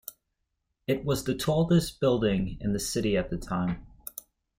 It was the tallest building in the city at that time.